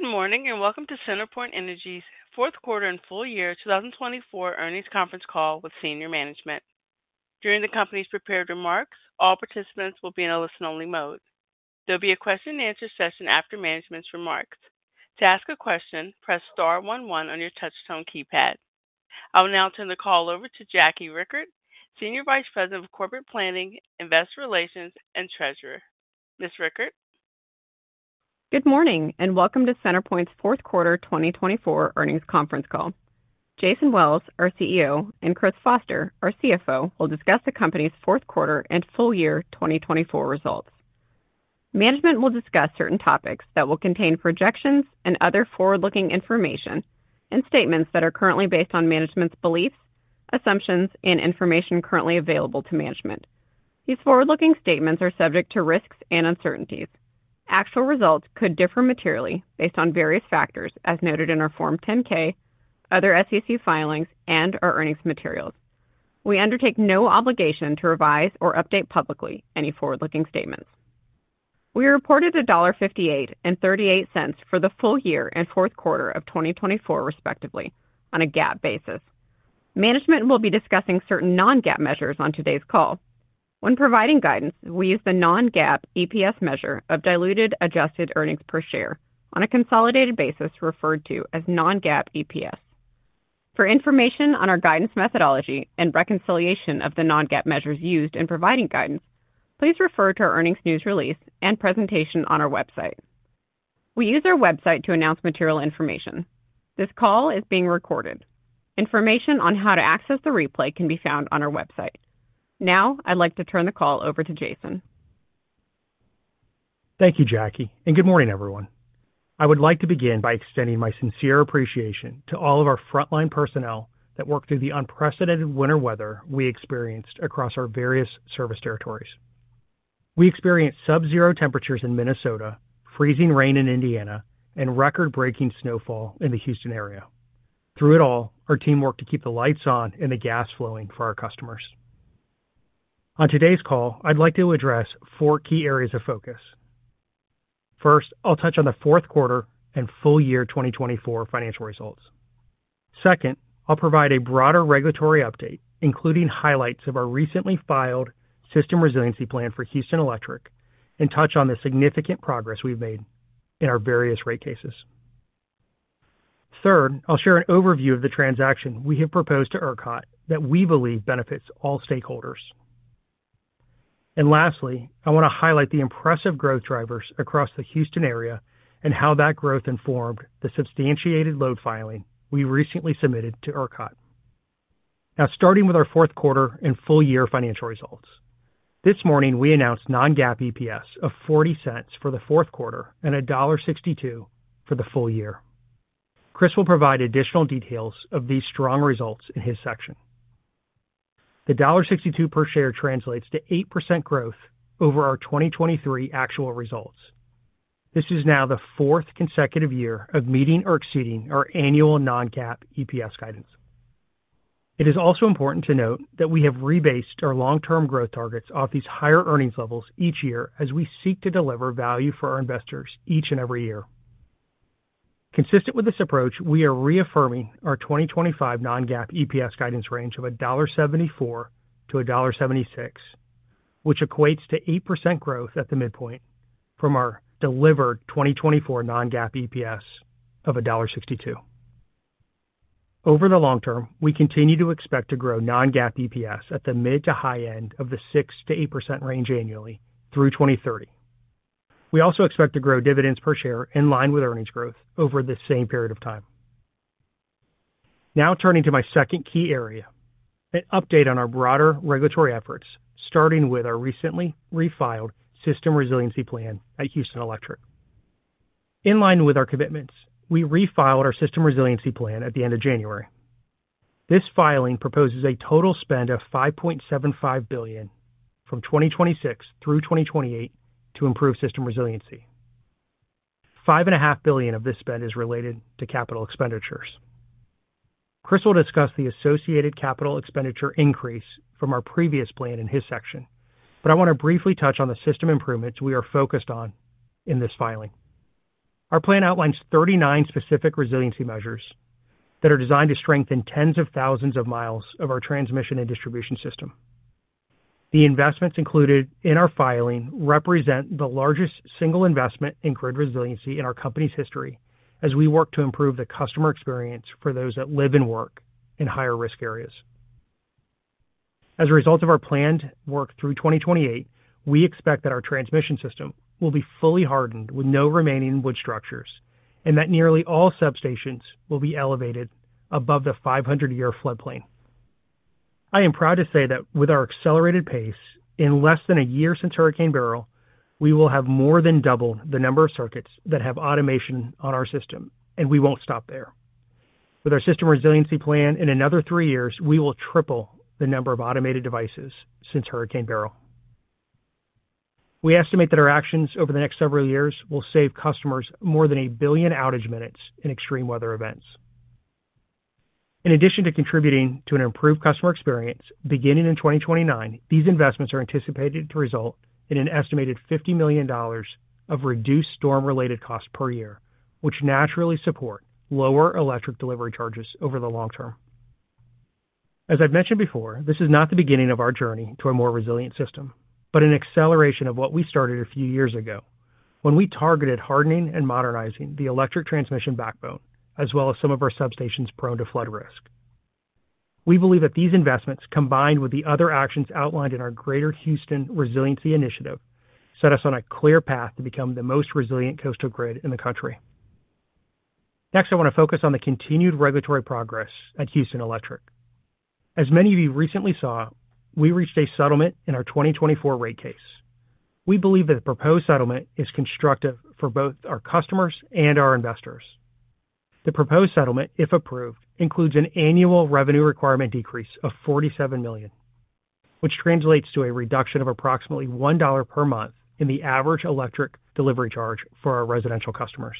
Good morning and welcome to CenterPoint Energy's fourth quarter and full year 2024 earnings conference call with senior management. During the company's prepared remarks, all participants will be in a listen-only mode. There'll be a question-and-answer session after management's remarks. To ask a question, press star one one on your touchtone keypad. I will now turn the call over to Jackie Richert, Senior Vice President of Corporate Planning, Investor Relations, and Treasurer. Ms. Richert? Good morning and welcome to CenterPoint's fourth quarter 2024 earnings conference call. Jason Wells, our CEO, and Chris Foster, our CFO, will discuss the company's fourth quarter and full year 2024 results. Management will discuss certain topics that will contain projections and other forward-looking information and statements that are currently based on management's beliefs, assumptions, and information currently available to management. These forward-looking statements are subject to risks and uncertainties. Actual results could differ materially based on various factors, as noted in our Form 10-K, other SEC filings, and our earnings materials. We undertake no obligation to revise or update publicly any forward-looking statements. We reported $1.58 and $0.38 for the full year and fourth quarter of 2024, respectively, on a GAAP basis. Management will be discussing certain non-GAAP measures on today's call. When providing guidance, we use the non-GAAP EPS measure of diluted adjusted earnings per share on a consolidated basis referred to as non-GAAP EPS. For information on our guidance methodology and reconciliation of the non-GAAP measures used in providing guidance, please refer to our earnings news release and presentation on our website. We use our website to announce material information. This call is being recorded. Information on how to access the replay can be found on our website. Now, I'd like to turn the call over to Jason. Thank you, Jackie, and good morning, everyone. I would like to begin by extending my sincere appreciation to all of our frontline personnel that worked through the unprecedented winter weather we experienced across our various service territories. We experienced sub-zero temperatures in Minnesota, freezing rain in Indiana, and record-breaking snowfall in the Houston area. Through it all, our team worked to keep the lights on and the gas flowing for our customers. On today's call, I'd like to address four key areas of focus. First, I'll touch on the fourth quarter and full year 2024 financial results. Second, I'll provide a broader regulatory update, including highlights of our recently filed System Resiliency Plan for Houston Electric, and touch on the significant progress we've made in our various rate cases. Third, I'll share an overview of the transaction we have proposed to ERCOT that we believe benefits all stakeholders. And lastly, I want to highlight the impressive growth drivers across the Houston area and how that growth informed the substantiated load filing we recently submitted to ERCOT. Now, starting with our fourth quarter and full year financial results. This morning, we announced non-GAAP EPS of $0.40 for the fourth quarter and $1.62 for the full year. Chris will provide additional details of these strong results in his section. The $1.62 per share translates to 8% growth over our 2023 actual results. This is now the fourth consecutive year of meeting or exceeding our annual non-GAAP EPS guidance. It is also important to note that we have rebased our long-term growth targets off these higher earnings levels each year as we seek to deliver value for our investors each and every year. Consistent with this approach, we are reaffirming our 2025 non-GAAP EPS guidance range of $1.74-$1.76, which equates to 8% growth at the midpoint from our delivered 2024 non-GAAP EPS of $1.62. Over the long term, we continue to expect to grow non-GAAP EPS at the mid to high end of the 6%-8% range annually through 2030. We also expect to grow dividends per share in line with earnings growth over the same period of time. Now, turning to my second key area, an update on our broader regulatory efforts, starting with our recently refiled System Resiliency Plan at Houston Electric. In line with our commitments, we refiled our System Resiliency Plan at the end of January. This filing proposes a total spend of $5.75 billion from 2026 through 2028 to improve system resiliency. $5.5 billion of this spend is related to capital expenditures. Chris will discuss the associated capital expenditure increase from our previous plan in his section, but I want to briefly touch on the system improvements we are focused on in this filing. Our plan outlines 39 specific resiliency measures that are designed to strengthen tens of thousands of miles of our transmission and distribution system. The investments included in our filing represent the largest single investment in grid resiliency in our company's history as we work to improve the customer experience for those that live and work in higher risk areas. As a result of our planned work through 2028, we expect that our transmission system will be fully hardened with no remaining wood structures and that nearly all substations will be elevated above the 500-year floodplain. I am proud to say that with our accelerated pace, in less than a year since Hurricane Beryl, we will have more than doubled the number of circuits that have automation on our system, and we won't stop there. With our System Resiliency Plan in another three years, we will triple the number of automated devices since Hurricane Beryl. We estimate that our actions over the next several years will save customers more than a billion outage minutes in extreme weather events. In addition to contributing to an improved customer experience, beginning in 2029, these investments are anticipated to result in an estimated $50 million of reduced storm-related costs per year, which naturally support lower electric delivery charges over the long term. As I've mentioned before, this is not the beginning of our journey to a more resilient system, but an acceleration of what we started a few years ago when we targeted hardening and modernizing the electric transmission backbone, as well as some of our substations prone to flood risk. We believe that these investments, combined with the other actions outlined in our Greater Houston Resiliency Initiative, set us on a clear path to become the most resilient coastal grid in the country. Next, I want to focus on the continued regulatory progress at Houston Electric. As many of you recently saw, we reached a settlement in our 2024 rate case. We believe that the proposed settlement is constructive for both our customers and our investors. The proposed settlement, if approved, includes an annual revenue requirement decrease of $47 million, which translates to a reduction of approximately $1 per month in the average electric delivery charge for our residential customers.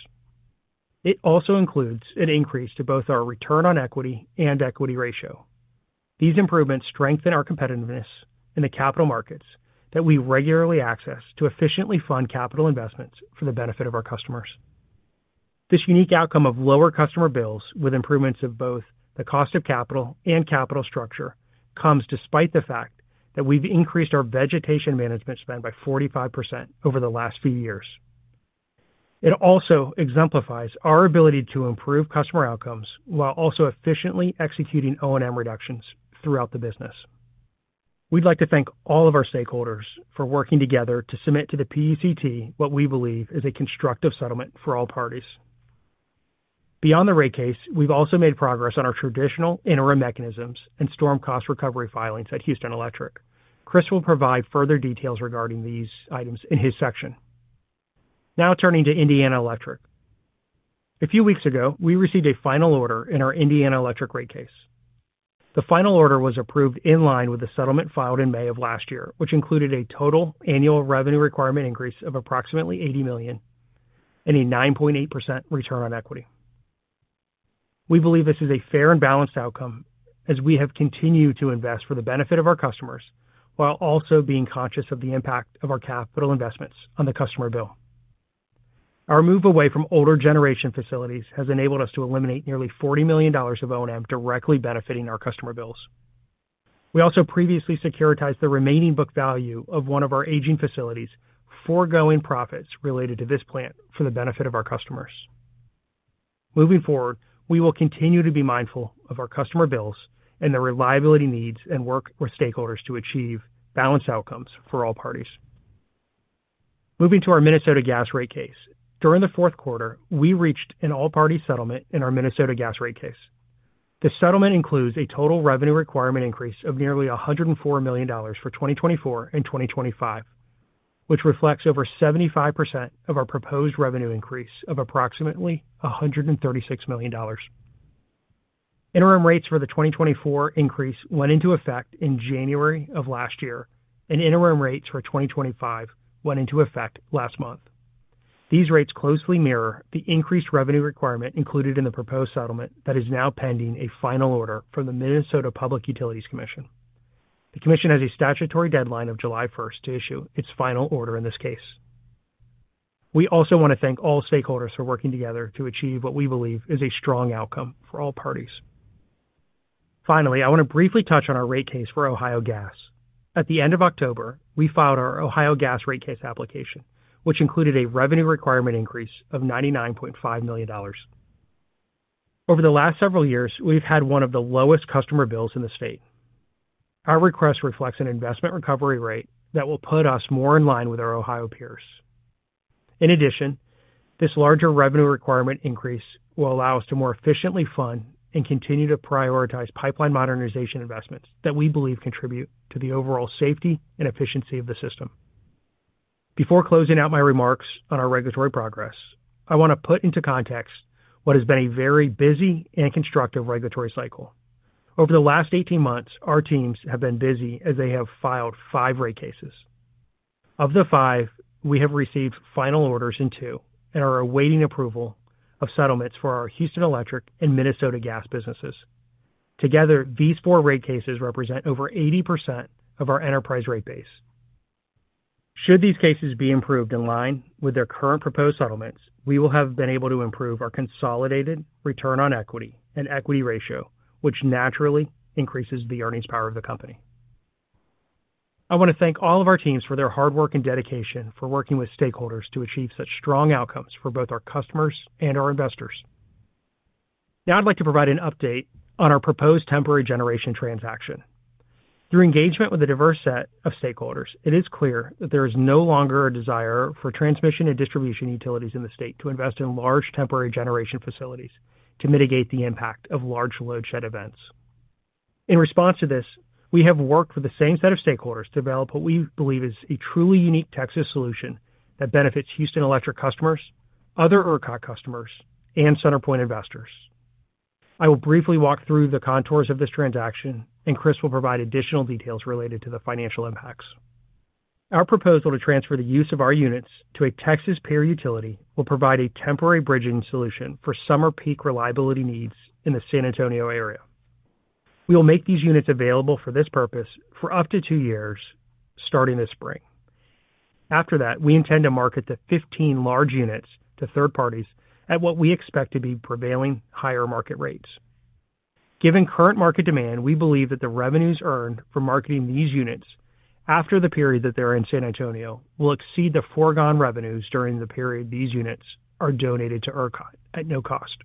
It also includes an increase to both our return on equity and equity ratio. These improvements strengthen our competitiveness in the capital markets that we regularly access to efficiently fund capital investments for the benefit of our customers. This unique outcome of lower customer bills with improvements of both the cost of capital and capital structure comes despite the fact that we've increased our vegetation management spend by 45% over the last few years. It also exemplifies our ability to improve customer outcomes while also efficiently executing O&M reductions throughout the business. We'd like to thank all of our stakeholders for working together to submit to the PUCT what we believe is a constructive settlement for all parties. Beyond the rate case, we've also made progress on our traditional interim mechanisms and storm cost recovery filings at Houston Electric. Chris will provide further details regarding these items in his section. Now, turning to Indiana Electric. A few weeks ago, we received a final order in our Indiana Electric rate case. The final order was approved in line with the settlement filed in May of last year, which included a total annual revenue requirement increase of approximately $80 million and a 9.8% return on equity. We believe this is a fair and balanced outcome as we have continued to invest for the benefit of our customers while also being conscious of the impact of our capital investments on the customer bill. Our move away from older generation facilities has enabled us to eliminate nearly $40 million of O&M directly benefiting our customer bills. We also previously securitized the remaining book value of one of our aging facilities forgoing profits related to this plant for the benefit of our customers. Moving forward, we will continue to be mindful of our customer bills and the reliability needs and work with stakeholders to achieve balanced outcomes for all parties. Moving to our Minnesota Gas rate case. During the fourth quarter, we reached an all-party settlement in our Minnesota Gas rate case. The settlement includes a total revenue requirement increase of nearly $104 million for 2024 and 2025, which reflects over 75% of our proposed revenue increase of approximately $136 million. Interim rates for the 2024 increase went into effect in January of last year, and interim rates for 2025 went into effect last month. These rates closely mirror the increased revenue requirement included in the proposed settlement that is now pending a final order from the Minnesota Public Utilities Commission. The commission has a statutory deadline of July 1st to issue its final order in this case. We also want to thank all stakeholders for working together to achieve what we believe is a strong outcome for all parties. Finally, I want to briefly touch on our rate case for Ohio Gas. At the end of October, we filed our Ohio Gas rate case application, which included a revenue requirement increase of $99.5 million. Over the last several years, we've had one of the lowest customer bills in the state. Our request reflects an investment recovery rate that will put us more in line with our Ohio peers. In addition, this larger revenue requirement increase will allow us to more efficiently fund and continue to prioritize pipeline modernization investments that we believe contribute to the overall safety and efficiency of the system. Before closing out my remarks on our regulatory progress, I want to put into context what has been a very busy and constructive regulatory cycle. Over the last 18 months, our teams have been busy as they have filed five rate cases. Of the five, we have received final orders in two and are awaiting approval of settlements for our Houston Electric and Minnesota Gas businesses. Together, these four rate cases represent over 80% of our enterprise rate base. Should these cases be improved in line with their current proposed settlements, we will have been able to improve our consolidated return on equity and equity ratio, which naturally increases the earnings power of the company. I want to thank all of our teams for their hard work and dedication for working with stakeholders to achieve such strong outcomes for both our customers and our investors. Now, I'd like to provide an update on our proposed temporary generation transaction. Through engagement with a diverse set of stakeholders, it is clear that there is no longer a desire for transmission and distribution utilities in the state to invest in large temporary generation facilities to mitigate the impact of large load shed events. In response to this, we have worked with the same set of stakeholders to develop what we believe is a truly unique Texas solution that benefits Houston Electric customers, other ERCOT customers, and CenterPoint investors. I will briefly walk through the contours of this transaction, and Chris will provide additional details related to the financial impacts. Our proposal to transfer the use of our units to a Texas power utility will provide a temporary bridging solution for summer peak reliability needs in the San Antonio area. We will make these units available for this purpose for up to two years starting this spring. After that, we intend to market the 15 large units to third parties at what we expect to be prevailing higher market rates. Given current market demand, we believe that the revenues earned from marketing these units after the period that they're in San Antonio will exceed the foregone revenues during the period these units are donated to ERCOT at no cost.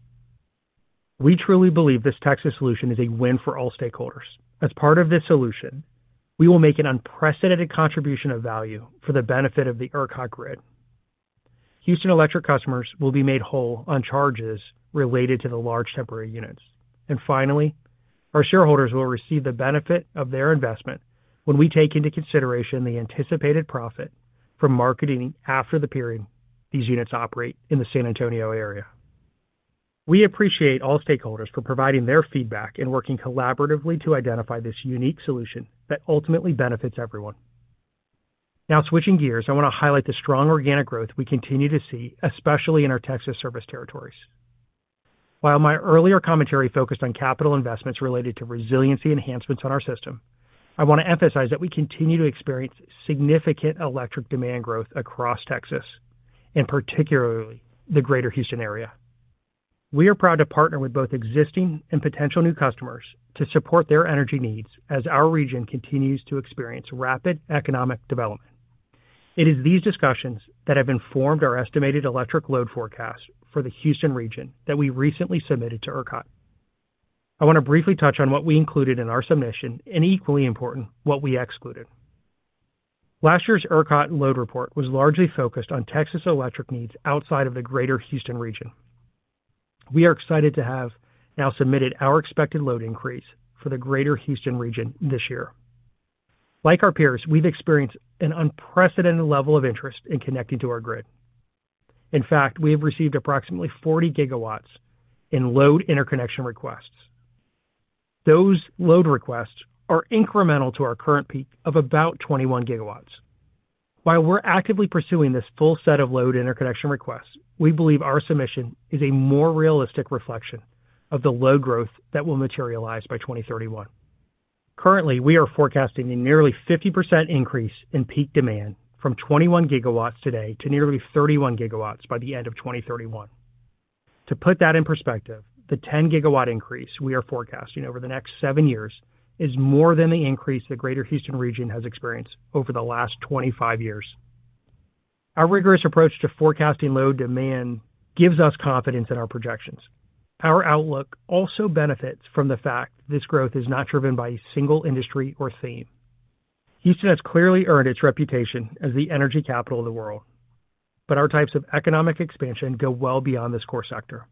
We truly believe this Texas solution is a win for all stakeholders. As part of this solution, we will make an unprecedented contribution of value for the benefit of the ERCOT grid. Houston Electric customers will be made whole on charges related to the large temporary units. Finally, our shareholders will receive the benefit of their investment when we take into consideration the anticipated profit from marketing after the period these units operate in the San Antonio area. We appreciate all stakeholders for providing their feedback and working collaboratively to identify this unique solution that ultimately benefits everyone. Now, switching gears, I want to highlight the strong organic growth we continue to see, especially in our Texas service territories. While my earlier commentary focused on capital investments related to resiliency enhancements on our system, I want to emphasize that we continue to experience significant electric demand growth across Texas, and particularly the Greater Houston area. We are proud to partner with both existing and potential new customers to support their energy needs as our region continues to experience rapid economic development. It is these discussions that have informed our estimated electric load forecast for the Houston region that we recently submitted to ERCOT. I want to briefly touch on what we included in our submission and, equally important, what we excluded. Last year's ERCOT load report was largely focused on Texas electric needs outside of the Greater Houston region. We are excited to have now submitted our expected load increase for the Greater Houston region this year. Like our peers, we've experienced an unprecedented level of interest in connecting to our grid. In fact, we have received approximately 40 gigawatts in load interconnection requests. Those load requests are incremental to our current peak of about 21 gigawatts. While we're actively pursuing this full set of load interconnection requests, we believe our submission is a more realistic reflection of the load growth that will materialize by 2031. Currently, we are forecasting a nearly 50% increase in peak demand from 21 gigawatts today to nearly 31 gigawatts by the end of 2031. To put that in perspective, the 10 gigawatt increase we are forecasting over the next seven years is more than the increase the Greater Houston region has experienced over the last 25 years. Our rigorous approach to forecasting load demand gives us confidence in our projections. Our outlook also benefits from the fact that this growth is not driven by a single industry or theme. Houston has clearly earned its reputation as the energy capital of the world, but our types of economic expansion go well beyond this core sector.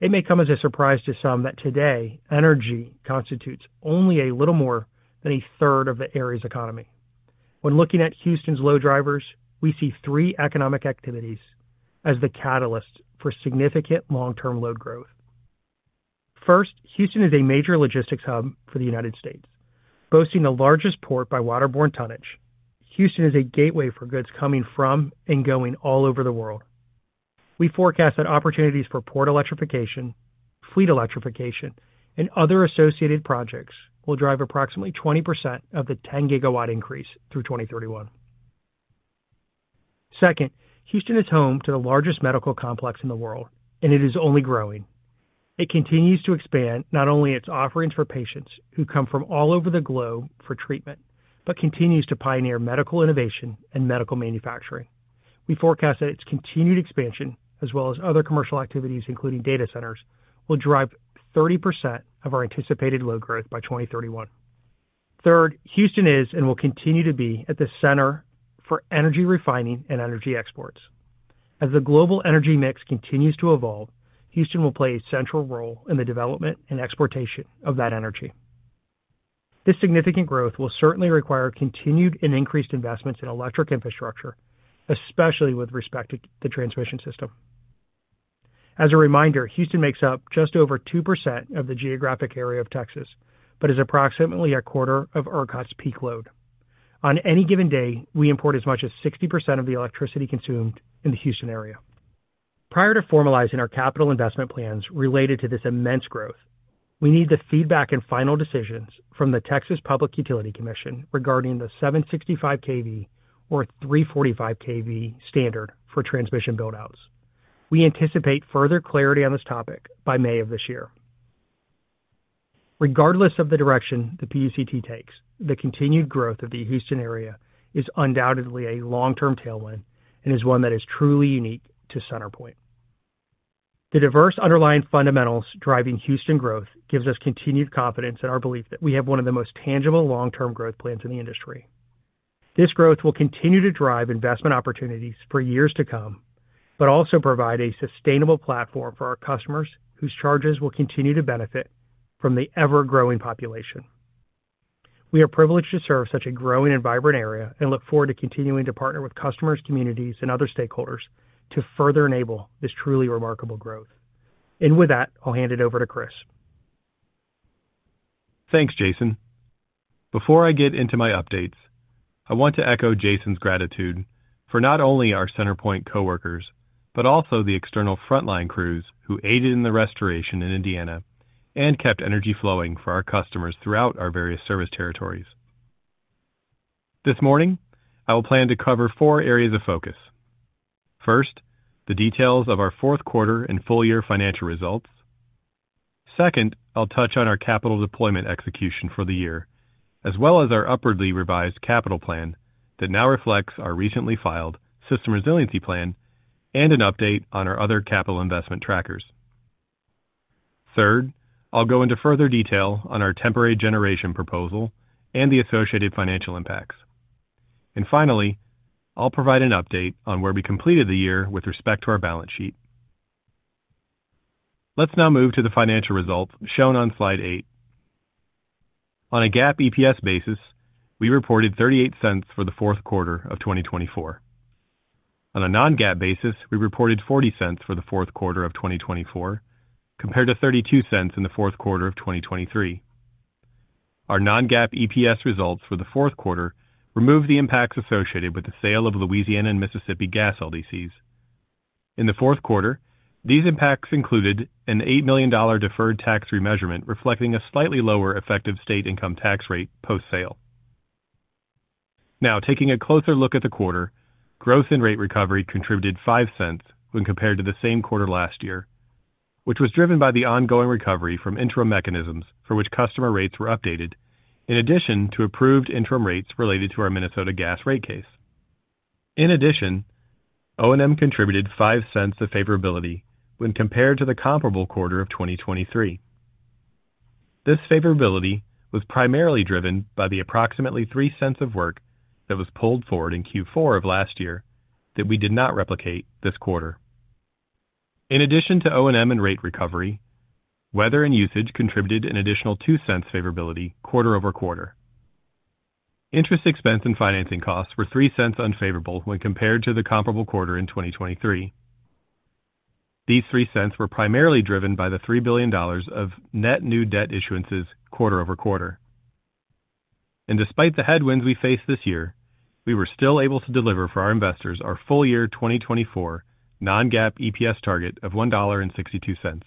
It may come as a surprise to some that today, energy constitutes only a little more than a third of the area's economy. When looking at Houston's load drivers, we see three economic activities as the catalysts for significant long-term load growth. First, Houston is a major logistics hub for the United States. Boasting the largest port by waterborne tonnage, Houston is a gateway for goods coming from and going all over the world. We forecast that opportunities for port electrification, fleet electrification, and other associated projects will drive approximately 20% of the 10 gigawatt increase through 2031. Second, Houston is home to the largest medical complex in the world, and it is only growing. It continues to expand not only its offerings for patients who come from all over the globe for treatment, but continues to pioneer medical innovation and medical manufacturing. We forecast that its continued expansion, as well as other commercial activities, including data centers, will drive 30% of our anticipated load growth by 2031. Third, Houston is and will continue to be at the center for energy refining and energy exports. As the global energy mix continues to evolve, Houston will play a central role in the development and exportation of that energy. This significant growth will certainly require continued and increased investments in electric infrastructure, especially with respect to the transmission system. As a reminder, Houston makes up just over 2% of the geographic area of Texas, but is approximately a quarter of ERCOT's peak load. On any given day, we import as much as 60% of the electricity consumed in the Houston area. Prior to formalizing our capital investment plans related to this immense growth, we need the feedback and final decisions from the Texas Public Utility Commission regarding the 765 kV or 345 kV standard for transmission buildouts. We anticipate further clarity on this topic by May of this year. Regardless of the direction the PUCT takes, the continued growth of the Houston area is undoubtedly a long-term tailwind and is one that is truly unique to CenterPoint. The diverse underlying fundamentals driving Houston growth gives us continued confidence in our belief that we have one of the most tangible long-term growth plans in the industry. This growth will continue to drive investment opportunities for years to come, but also provide a sustainable platform for our customers whose charges will continue to benefit from the ever-growing population. We are privileged to serve such a growing and vibrant area and look forward to continuing to partner with customers, communities, and other stakeholders to further enable this truly remarkable growth. And with that, I'll hand it over to Chris. Thanks, Jason. Before I get into my updates, I want to echo Jason's gratitude for not only our CenterPoint coworkers, but also the external frontline crews who aided in the restoration in Indiana and kept energy flowing for our customers throughout our various service territories. This morning, I will plan to cover four areas of focus. First, the details of our fourth quarter and full year financial results. Second, I'll touch on our capital deployment execution for the year, as well as our upwardly revised capital plan that now reflects our recently filed System Resiliency Plan and an update on our other capital investment trackers. Third, I'll go into further detail on our temporary generation proposal and the associated financial impacts, and finally, I'll provide an update on where we completed the year with respect to our balance sheet. Let's now move to the financial results shown on slide eight. On a GAAP EPS basis, we reported $0.38 for the fourth quarter of 2024. On a non-GAAP basis, we reported $0.40 for the fourth quarter of 2024, compared to $0.32 in the fourth quarter of 2023. Our non-GAAP EPS results for the fourth quarter removed the impacts associated with the sale of Louisiana and Mississippi gas LDCs. In the fourth quarter, these impacts included an $8 million deferred tax remeasurement reflecting a slightly lower effective state income tax rate post-sale. Now, taking a closer look at the quarter, growth and rate recovery contributed $0.05 when compared to the same quarter last year, which was driven by the ongoing recovery from interim mechanisms for which customer rates were updated, in addition to approved interim rates related to our Minnesota Gas rate case. In addition, O&M contributed $0.05 of favorability when compared to the comparable quarter of 2023. This favorability was primarily driven by the approximately $0.03 of work that was pulled forward in Q4 of last year that we did not replicate this quarter. In addition to O&M and rate recovery, weather and usage contributed an additional $0.02 favorability quarter over quarter. Interest expense and financing costs were $0.03 unfavorable when compared to the comparable quarter in 2023. These $0.03 were primarily driven by the $3 billion of net new debt issuances quarter over quarter. And despite the headwinds we faced this year, we were still able to deliver for our investors our full year 2024 non-GAAP EPS target of $1.62.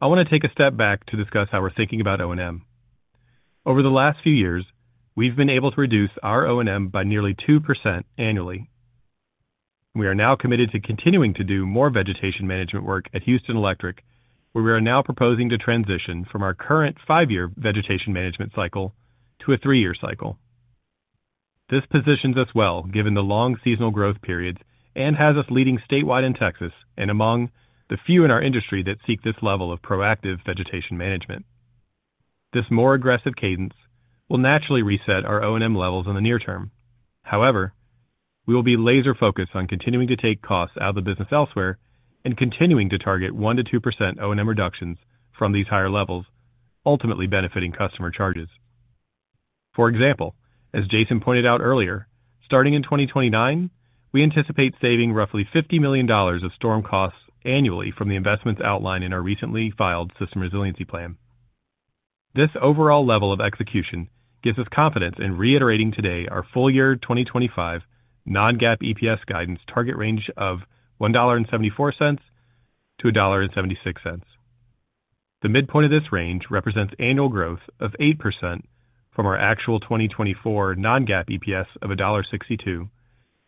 I want to take a step back to discuss how we're thinking about O&M. Over the last few years, we've been able to reduce our O&M by nearly 2% annually. We are now committed to continuing to do more vegetation management work at Houston Electric, where we are now proposing to transition from our current five-year vegetation management cycle to a three-year cycle. This positions us well given the long seasonal growth periods and has us leading statewide in Texas and among the few in our industry that seek this level of proactive vegetation management. This more aggressive cadence will naturally reset our O&M levels in the near term. However, we will be laser-focused on continuing to take costs out of the business elsewhere and continuing to target 1%-2% O&M reductions from these higher levels, ultimately benefiting customer charges. For example, as Jason pointed out earlier, starting in 2029, we anticipate saving roughly $50 million of storm costs annually from the investments outlined in our recently filed System Resiliency Plan. This overall level of execution gives us confidence in reiterating today our full year 2025 non-GAAP EPS guidance target range of $1.74-$1.76. The midpoint of this range represents annual growth of 8% from our actual 2024 non-GAAP EPS of $1.62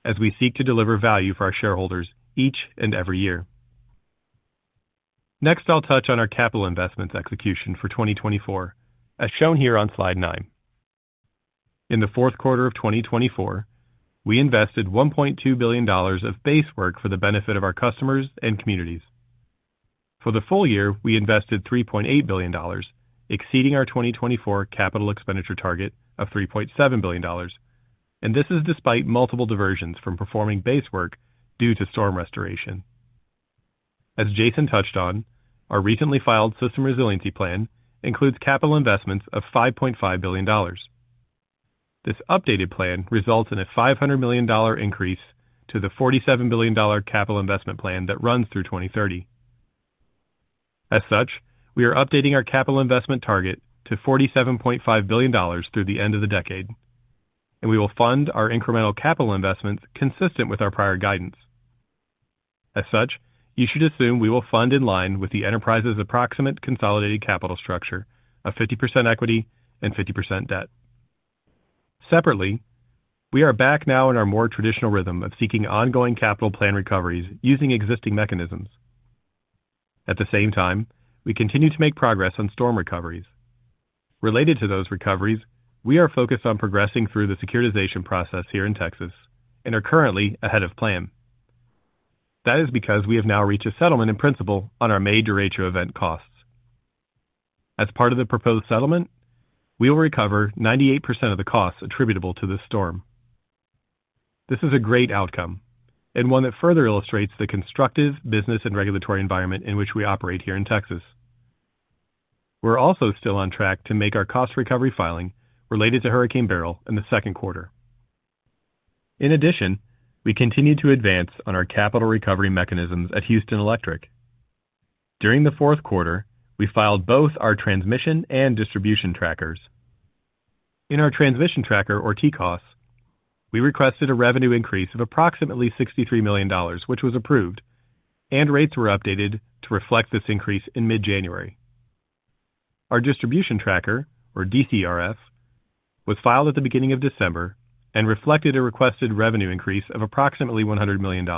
as we seek to deliver value for our shareholders each and every year. Next, I'll touch on our capital investments execution for 2024, as shown here on slide nine. In the fourth quarter of 2024, we invested $1.2 billion of base work for the benefit of our customers and communities. For the full year, we invested $3.8 billion, exceeding our 2024 capital expenditure target of $3.7 billion, and this is despite multiple diversions from performing base work due to storm restoration. As Jason touched on, our recently filed System Resiliency Plan includes capital investments of $5.5 billion. This updated plan results in a $500 million increase to the $47 billion capital investment plan that runs through 2030. As such, we are updating our capital investment target to $47.5 billion through the end of the decade, and we will fund our incremental capital investments consistent with our prior guidance. As such, you should assume we will fund in line with the enterprise's approximate consolidated capital structure of 50% equity and 50% debt. Separately, we are back now in our more traditional rhythm of seeking ongoing capital plan recoveries using existing mechanisms. At the same time, we continue to make progress on storm recoveries. Related to those recoveries, we are focused on progressing through the securitization process here in Texas and are currently ahead of plan. That is because we have now reached a settlement in principle on our May Derecho event costs. As part of the proposed settlement, we will recover 98% of the costs attributable to this storm. This is a great outcome and one that further illustrates the constructive business and regulatory environment in which we operate here in Texas. We're also still on track to make our cost recovery filing related to Hurricane Beryl in the second quarter. In addition, we continue to advance on our capital recovery mechanisms at Houston Electric. During the fourth quarter, we filed both our transmission and distribution trackers. In our transmission tracker, or TCOS, we requested a revenue increase of approximately $63 million, which was approved, and rates were updated to reflect this increase in mid-January. Our distribution tracker, or DCRF, was filed at the beginning of December and reflected a requested revenue increase of approximately $100 million.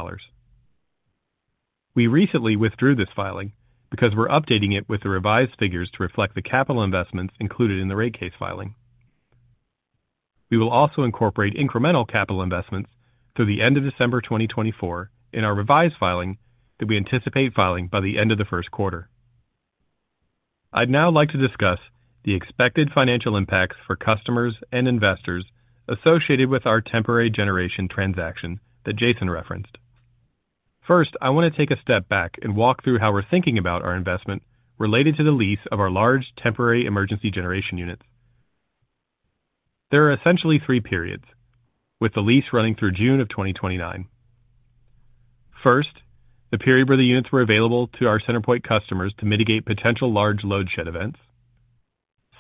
We recently withdrew this filing because we're updating it with the revised figures to reflect the capital investments included in the rate case filing. We will also incorporate incremental capital investments through the end of December 2024 in our revised filing that we anticipate filing by the end of the first quarter. I'd now like to discuss the expected financial impacts for customers and investors associated with our temporary generation transaction that Jason referenced. First, I want to take a step back and walk through how we're thinking about our investment related to the lease of our large temporary emergency generation units. There are essentially three periods, with the lease running through June of 2029. First, the period where the units were available to our CenterPoint customers to mitigate potential large load shed events.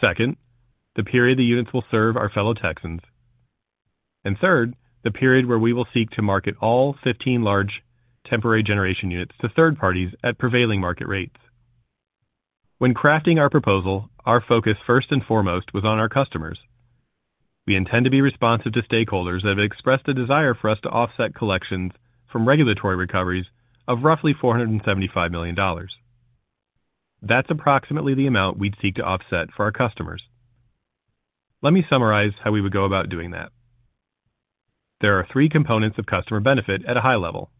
Second, the period the units will serve our fellow Texans. And third, the period where we will seek to market all 15 large temporary generation units to third parties at prevailing market rates. When crafting our proposal, our focus first and foremost was on our customers. We intend to be responsive to stakeholders that have expressed a desire for us to offset collections from regulatory recoveries of roughly $475 million. That's approximately the amount we'd seek to offset for our customers. Let me summarize how we would go about doing that. There are three components of customer benefit at a high level.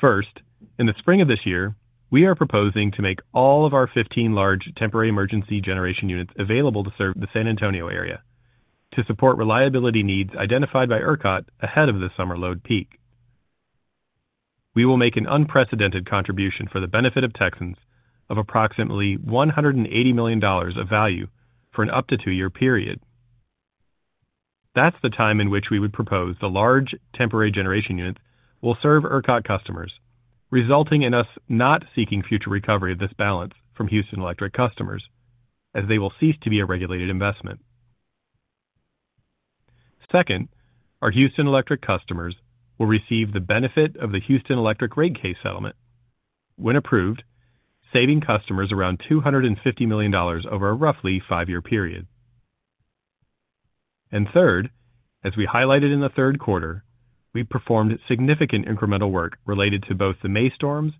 First, in the spring of this year, we are proposing to make all of our 15 large temporary emergency generation units available to serve the San Antonio area to support reliability needs identified by ERCOT ahead of the summer load peak. We will make an unprecedented contribution for the benefit of Texans of approximately $180 million of value for an up to two-year period. That's the time in which we would propose the large temporary generation units will serve ERCOT customers, resulting in us not seeking future recovery of this balance from Houston Electric customers, as they will cease to be a regulated investment. Second, our Houston Electric customers will receive the benefit of the Houston Electric rate case settlement. When approved, saving customers around $250 million over a roughly five-year period. And third, as we highlighted in the third quarter, we performed significant incremental work related to both the May storms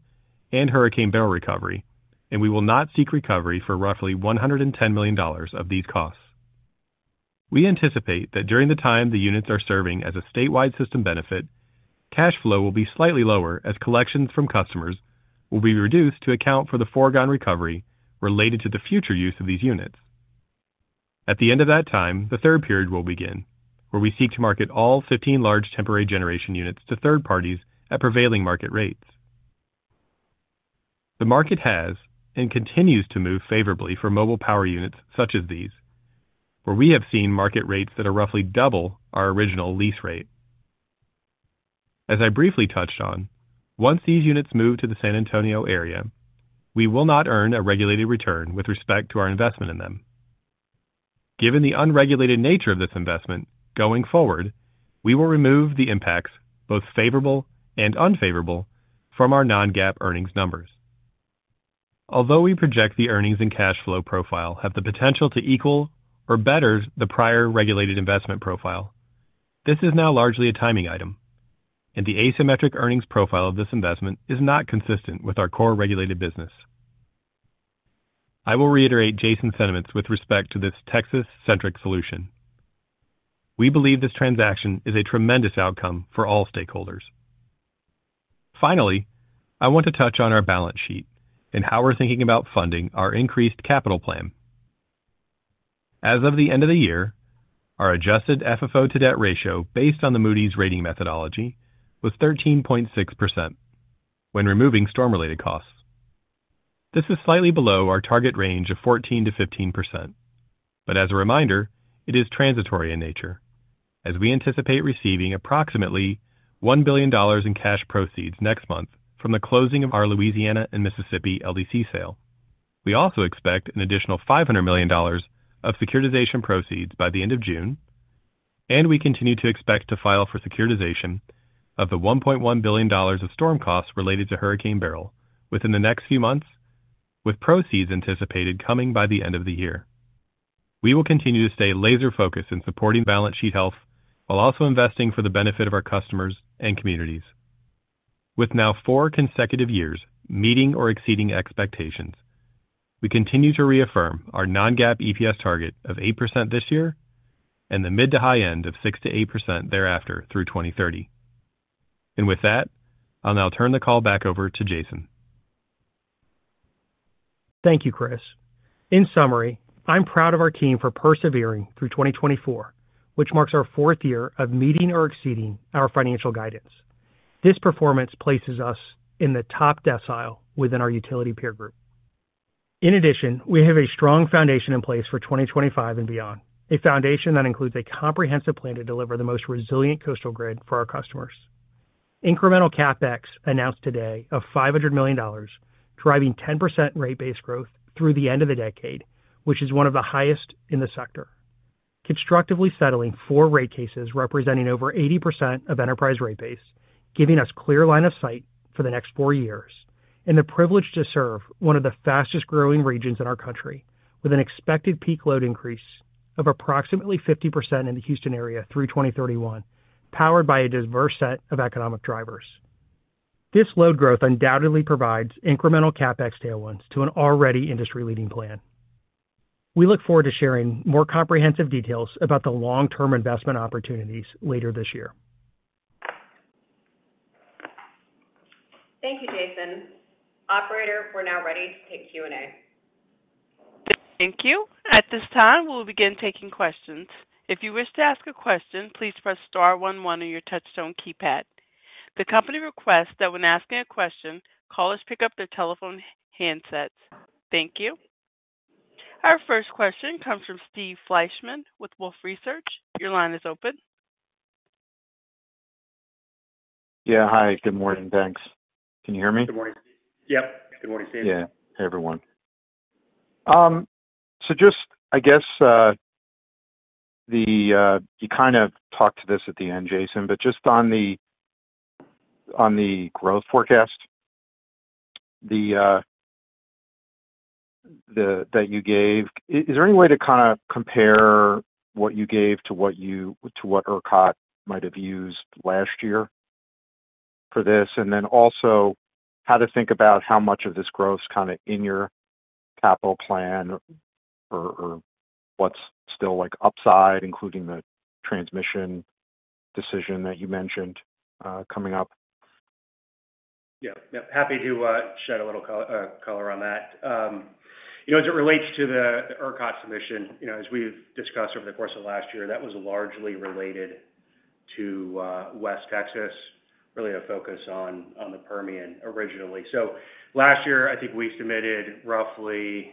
and Hurricane Beryl recovery, and we will not seek recovery for roughly $110 million of these costs. We anticipate that during the time the units are serving as a statewide system benefit, cash flow will be slightly lower as collections from customers will be reduced to account for the foregone recovery related to the future use of these units. At the end of that time, the third period will begin, where we seek to market all 15 large temporary generation units to third parties at prevailing market rates. The market has and continues to move favorably for mobile power units such as these, where we have seen market rates that are roughly double our original lease rate. As I briefly touched on, once these units move to the San Antonio area, we will not earn a regulated return with respect to our investment in them. Given the unregulated nature of this investment, going forward, we will remove the impacts, both favorable and unfavorable, from our non-GAAP earnings numbers. Although we project the earnings and cash flow profile have the potential to equal or better the prior regulated investment profile, this is now largely a timing item, and the asymmetric earnings profile of this investment is not consistent with our core regulated business. I will reiterate Jason's sentiments with respect to this Texas-centric solution. We believe this transaction is a tremendous outcome for all stakeholders. Finally, I want to touch on our balance sheet and how we're thinking about funding our increased capital plan. As of the end of the year, our adjusted FFO to debt ratio based on the Moody's rating methodology was 13.6% when removing storm-related costs. This is slightly below our target range of 14%-15%, but as a reminder, it is transitory in nature, as we anticipate receiving approximately $1 billion in cash proceeds next month from the closing of our Louisiana and Mississippi LDC sale. We also expect an additional $500 million of securitization proceeds by the end of June, and we continue to expect to file for securitization of the $1.1 billion of storm costs related to Hurricane Beryl within the next few months, with proceeds anticipated coming by the end of the year. We will continue to stay laser-focused in supporting balance sheet health while also investing for the benefit of our customers and communities. With now four consecutive years meeting or exceeding expectations, we continue to reaffirm our non-GAAP EPS target of 8% this year and the mid to high end of 6%-8% thereafter through 2030. And with that, I'll now turn the call back over to Jason. Thank you, Chris. In summary, I'm proud of our team for persevering through 2024, which marks our fourth year of meeting or exceeding our financial guidance. This performance places us in the top decile within our utility peer group. In addition, we have a strong foundation in place for 2025 and beyond, a foundation that includes a comprehensive plan to deliver the most resilient coastal grid for our customers. Incremental CapEx announced today of $500 million, driving 10% rate base growth through the end of the decade, which is one of the highest in the sector. Constructively settling four rate cases representing over 80% of enterprise rate base, giving us clear line of sight for the next four years and the privilege to serve one of the fastest-growing regions in our country, with an expected peak load increase of approximately 50% in the Houston area through 2031, powered by a diverse set of economic drivers. This load growth undoubtedly provides incremental CapEx tailwinds to an already industry-leading plan. We look forward to sharing more comprehensive details about the long-term investment opportunities later this year. Thank you, Jason. Operator, we're now ready to take Q&A. Thank you. At this time, we'll begin taking questions. If you wish to ask a question, please press star 11 on your touch-tone keypad. The company requests that when asking a question, callers pick up their telephone handsets. Thank you. Our first question comes from Steve Fleishman with Wolfe Research. Your line is open. Yeah. Hi. Good morning. Thanks. Can you hear me? Good morning. Yep. Good morning, Steve. Yeah. Hey, everyone. So just, I guess, you kind of talked to this at the end, Jason, but just on the growth forecast that you gave, is there any way to kind of compare what you gave to what ERCOT might have used last year for this? And then also how to think about how much of this growth's kind of in your capital plan or what's still upside, including the transmission decision that you mentioned coming up. Yeah. Yep. Happy to shed a little color on that. As it relates to the ERCOT submission, as we've discussed over the course of last year, that was largely related to West Texas, really a focus on the Permian originally. So last year, I think we submitted roughly.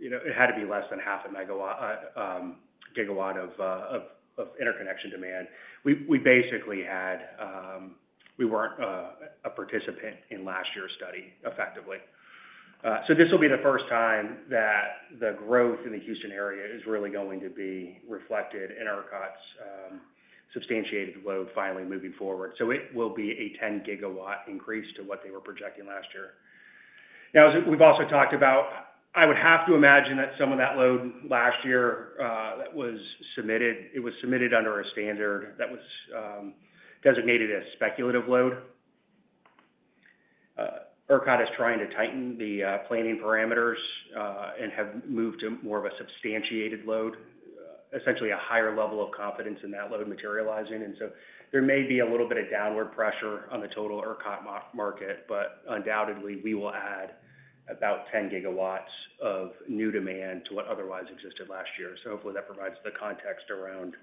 It had to be less than half a gigawatt of interconnection demand. We basically weren't a participant in last year's study, effectively. So this will be the first time that the growth in the Houston area is really going to be reflected in ERCOT's substantiated load finally moving forward. So it will be a 10-gigawatt increase to what they were projecting last year. Now, as we've also talked about, I would have to imagine that some of that load last year that was submitted, it was submitted under a standard that was designated as speculative load. ERCOT is trying to tighten the planning parameters and have moved to more of a substantiated load, essentially a higher level of confidence in that load materializing. And so there may be a little bit of downward pressure on the total ERCOT market, but undoubtedly, we will add about 10 gigawatts of new demand to what otherwise existed last year. So hopefully, that provides the context around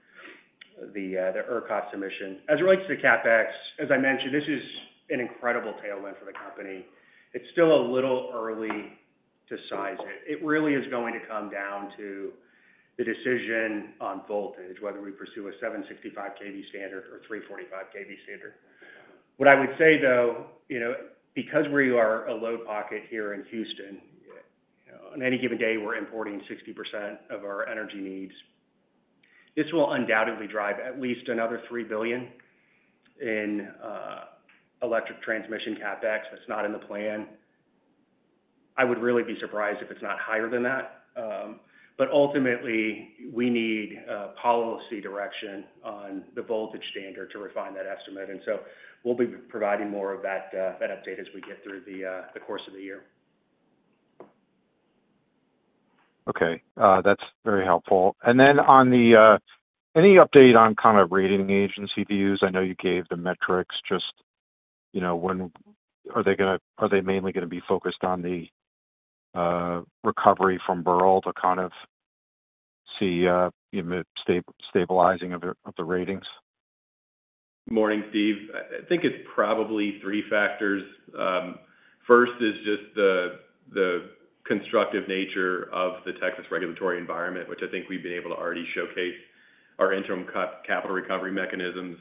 the ERCOT submission. As it relates to CapEx, as I mentioned, this is an incredible tailwind for the company. It's still a little early to size it. It really is going to come down to the decision on voltage, whether we pursue a 765 kV standard or 345 kV standard. What I would say, though, because we are a load pocket here in Houston, on any given day, we're importing 60% of our energy needs. This will undoubtedly drive at least another $3 billion in electric transmission CapEx that's not in the plan. I would really be surprised if it's not higher than that. But ultimately, we need policy direction on the voltage standard to refine that estimate. And so we'll be providing more of that update as we get through the course of the year. Okay. That's very helpful. And then, any update on kind of rating agency views? I know you gave the metrics. Just when are they mainly going to be focused on the recovery from Beryl to kind of see stabilizing of the ratings? Morning, Steve. I think it's probably three factors. First is just the constructive nature of the Texas regulatory environment, which I think we've been able to already showcase our interim capital recovery mechanisms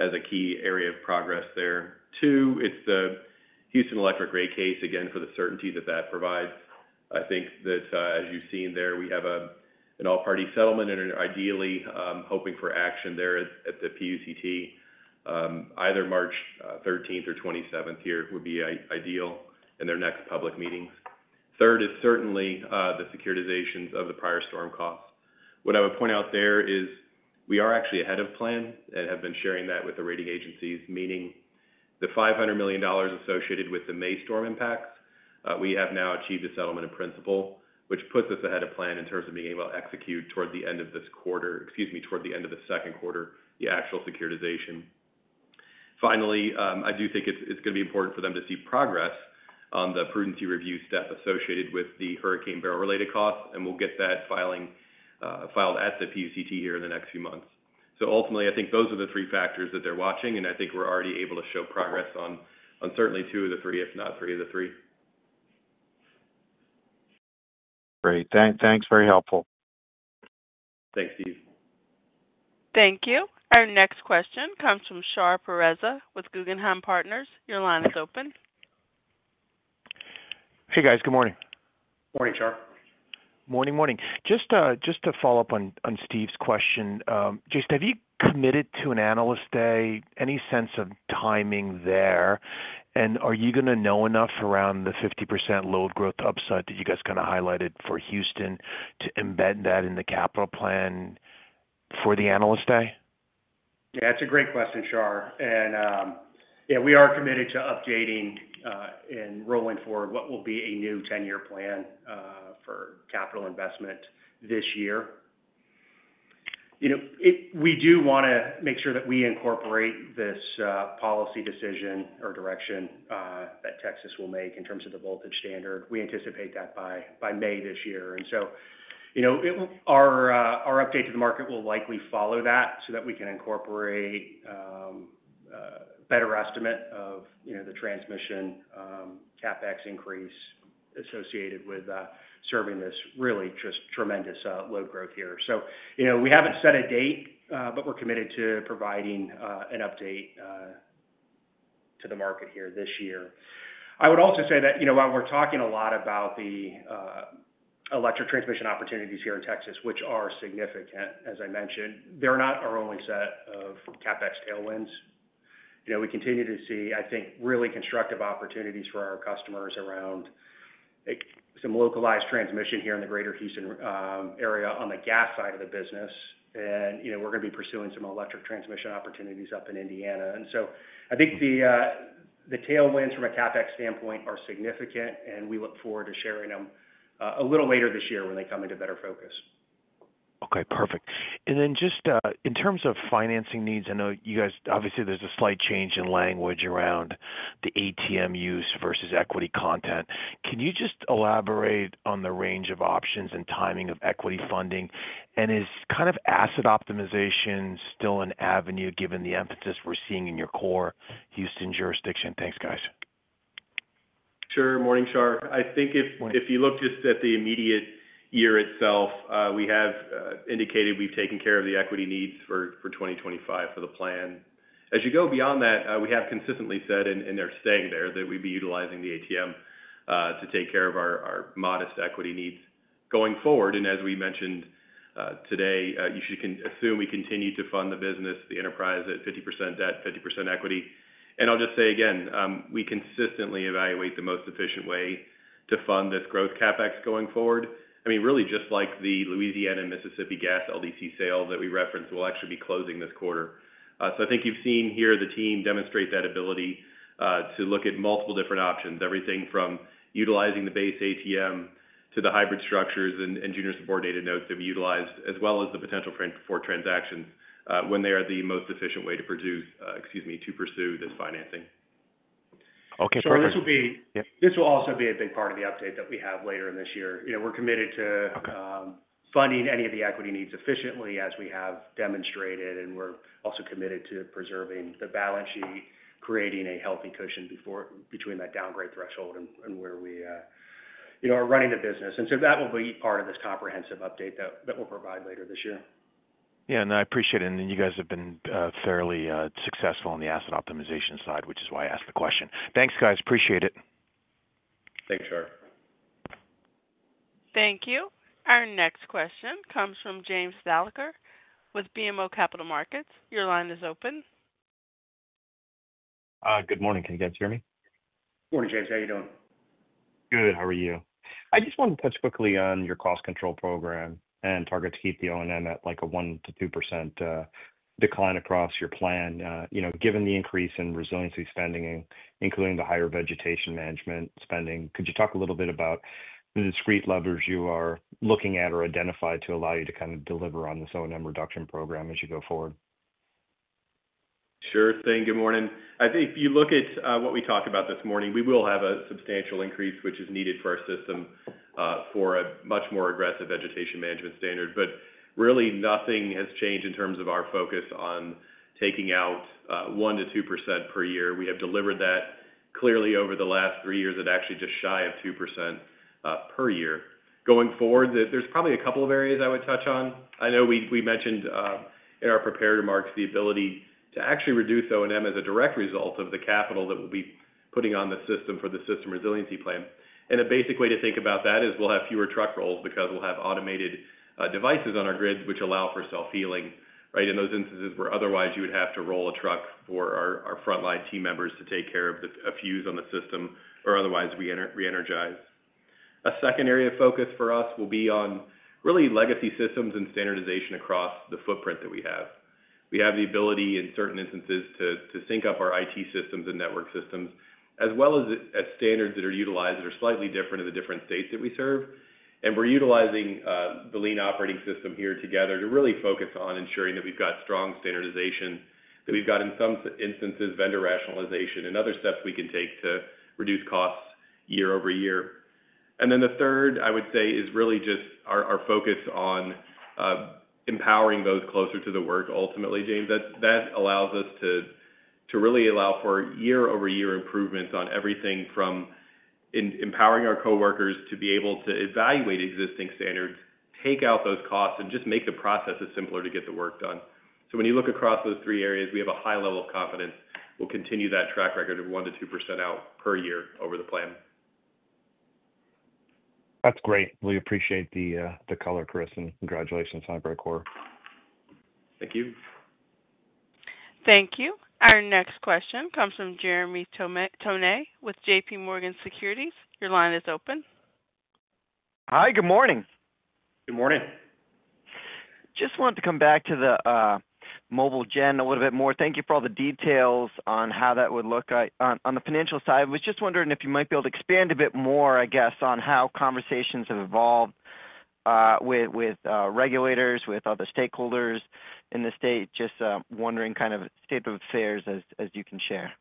as a key area of progress there. Two, it's the Houston Electric rate case, again, for the certainty that that provides. I think that, as you've seen there, we have an all-party settlement and are ideally hoping for action there at the PUCT. Either March 13th or 27th here would be ideal in their next public meetings. Third is certainly the securitizations of the prior storm costs. What I would point out there is we are actually ahead of plan and have been sharing that with the rating agencies, meaning the $500 million associated with the May storm impacts. We have now achieved a settlement in principle, which puts us ahead of plan in terms of being able to execute toward the end of this quarter excuse me, toward the end of the second quarter, the actual securitization. Finally, I do think it's going to be important for them to see progress on the prudency review step associated with the Hurricane Beryl-related costs, and we'll get that filed at the PUCT here in the next few months. So ultimately, I think those are the three factors that they're watching, and I think we're already able to show progress on certainly two of the three, if not three of the three. Great. Thanks. Very helpful. Thanks, Steve. Thank you. Our next question comes from Shar Pourreza with Guggenheim Partners. Your line is open. Hey, guys. Good morning. Morning, Shar. Morning, morning. Just to follow up on Steve's question, just have you committed to an analyst day, any sense of timing there? Are you going to know enough around the 50% load growth upside that you guys kind of highlighted for Houston to embed that in the capital plan for the analyst day? Yeah. That's a great question, Shar. And yeah, we are committed to updating and rolling forward what will be a new 10-year plan for capital investment this year. We do want to make sure that we incorporate this policy decision or direction that Texas will make in terms of the voltage standard. We anticipate that by May this year. And so our update to the market will likely follow that so that we can incorporate a better estimate of the transmission CapEx increase associated with serving this really just tremendous load growth here. So we haven't set a date, but we're committed to providing an update to the market here this year. I would also say that while we're talking a lot about the electric transmission opportunities here in Texas, which are significant, as I mentioned, they're not our only set of CapEx tailwinds. We continue to see, I think, really constructive opportunities for our customers around some localized transmission here in the Greater Houston area on the gas side of the business. And we're going to be pursuing some electric transmission opportunities up in Indiana. And so I think the tailwinds from a CapEx standpoint are significant, and we look forward to sharing them a little later this year when they come into better focus. Okay. Perfect, and then just in terms of financing needs, I know, you guys, obviously, there's a slight change in language around the ATM use versus equity content. Can you just elaborate on the range of options and timing of equity funding? Is kind of asset optimization still an avenue given the emphasis we're seeing in your core Houston jurisdiction? Thanks, guys. Sure. Morning, Shar. I think if you look just at the immediate year itself, we have indicated we've taken care of the equity needs for 2025 for the plan. As you go beyond that, we have consistently said, and they're staying there, that we'd be utilizing the ATM to take care of our modest equity needs going forward. And as we mentioned today, you should assume we continue to fund the business, the enterprise at 50% debt, 50% equity. And I'll just say again, we consistently evaluate the most efficient way to fund this growth CapEx going forward. I mean, really, just like the Louisiana and Mississippi gas LDC sale that we referenced, we'll actually be closing this quarter. So, I think you've seen here the team demonstrate that ability to look at multiple different options, everything from utilizing the base ATM to the hybrid structures and junior subordinated debt notes that we utilized, as well as the potential for transactions when they are the most efficient way to produce, excuse me, to pursue this financing. Okay. Perfect. So, this will also be a big part of the update that we have later in this year. We're committed to funding any of the equity needs efficiently as we have demonstrated, and we're also committed to preserving the balance sheet, creating a healthy cushion between that downgrade threshold and where we are running the business. And so, that will be part of this comprehensive update that we'll provide later this year. Yeah, and I appreciate it. And then you guys have been fairly successful on the asset optimization side, which is why I asked the question. Thanks, guys. Appreciate it. Thanks, Shar. Thank you. Our next question comes from James Thalacker with BMO Capital Markets. Your line is open. Good morning. Can you guys hear me? Morning, James. How are you doing? Good. How are you? I just wanted to touch quickly on your cost control program and target to keep the O&M at a 1%-2% decline across your plan. Given the increase in resiliency spending, including the higher vegetation management spending, could you talk a little bit about the discrete levers you are looking at or identified to allow you to kind of deliver on this O&M reduction program as you go forward? Sure thing. Good morning. I think if you look at what we talked about this morning, we will have a substantial increase, which is needed for our system for a much more aggressive vegetation management standard. But really, nothing has changed in terms of our focus on taking out 1%-2% per year. We have delivered that clearly over the last three years at actually just shy of 2% per year. Going forward, there's probably a couple of areas I would touch on. I know we mentioned in our prepared remarks the ability to actually reduce O&M as a direct result of the capital that we'll be putting on the system for the System Resiliency Plan. And a basic way to think about that is we'll have fewer truck rolls because we'll have automated devices on our grid, which allow for self-healing, right, in those instances where otherwise you would have to roll a truck for our frontline team members to take care of a fuse on the system or otherwise re-energize. A second area of focus for us will be on really legacy systems and standardization across the footprint that we have. We have the ability in certain instances to sync up our IT systems and network systems as well as standards that are utilized that are slightly different in the different states that we serve. And we're utilizing the lean operating system here together to really focus on ensuring that we've got strong standardization, that we've got in some instances vendor rationalization, and other steps we can take to reduce costs year over year. And then the third, I would say, is really just our focus on empowering those closer to the work ultimately, James. That allows us to really allow for year-over-year improvements on everything from empowering our coworkers to be able to evaluate existing standards, take out those costs, and just make the processes simpler to get the work done. So when you look across those three areas, we have a high level of confidence. We'll continue that track record of 1%-2% out per year over the plan. That's great. Really appreciate the color, Chris, and congratulations on a great quarter. Thank you. Thank you. Our next question comes from Jeremy Tonet with J.P. Morgan Securities. Your line is open. Hi. Good morning. Good morning. Just wanted to come back to the mobile gen a little bit more. Thank you for all the details on how that would look on the financial side. I was just wondering if you might be able to expand a bit more, I guess, on how conversations have evolved with regulators, with other stakeholders in the state. Just wondering kind of state of affairs as you can share.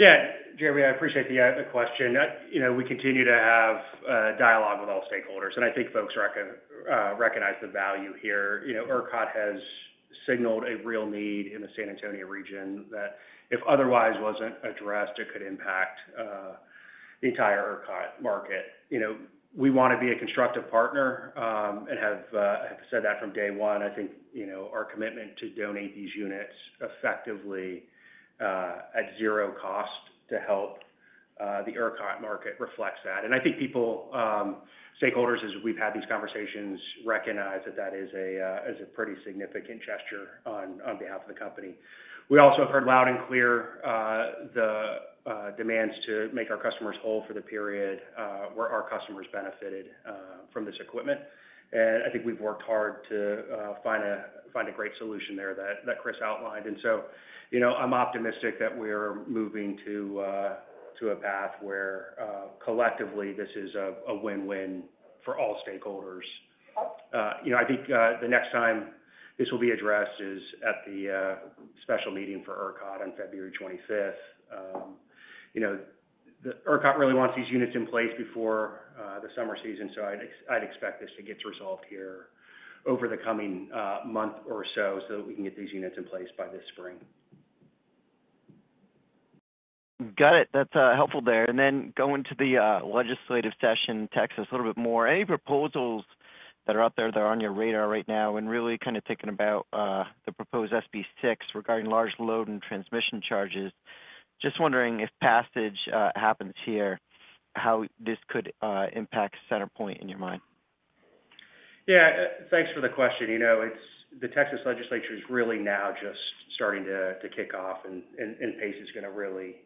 Yeah. Jeremy, I appreciate the question. We continue to have dialogue with all stakeholders, and I think folks recognize the value here. ERCOT has signaled a real need in the San Antonio region that if otherwise wasn't addressed, it could impact the entire ERCOT market. We want to be a constructive partner and have said that from day one. I think our commitment to donate these units effectively at zero cost to help the ERCOT market reflects that. And I think stakeholders, as we've had these conversations, recognize that that is a pretty significant gesture on behalf of the company. We also heard loud and clear the demands to make our customers whole for the period where our customers benefited from this equipment. And I think we've worked hard to find a great solution there that Chris outlined. And so I'm optimistic that we're moving to a path where collectively this is a win-win for all stakeholders. I think the next time this will be addressed is at the special meeting for ERCOT on February 25th. ERCOT really wants these units in place before the summer season, so I'd expect this to get resolved here over the coming month or so so that we can get these units in place by this spring. Got it. That's helpful there. And then going to the legislative session, Texas, a little bit more. Any proposals that are out there that are on your radar right now and really kind of thinking about the proposed SB 6 regarding large load and transmission charges? Just wondering if passage happens here, how this could impact CenterPoint in your mind? Yeah. Thanks for the question. The Texas Legislature is really now just starting to kick off, and pace is going to really